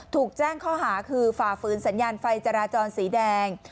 ถูกแจ้งข้อหาคือฝ่าฝืนสัญญาณไฟจราจรสีแดง